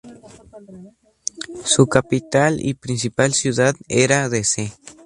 Su capital, y principal ciudad, era Dese.